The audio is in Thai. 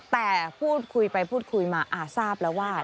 แต่พูดคุยไปพูดคุยมาทราบแล้วว่า